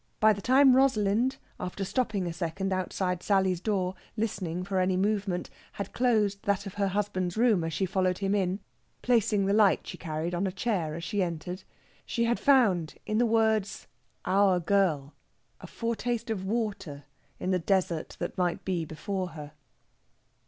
By the time Rosalind, after stopping a second outside Sally's door, listening for any movement, had closed that of her husband's room as she followed him in, placing the light she carried on a chair as she entered, she had found in the words "our girl" a foretaste of water in the desert that might be before her.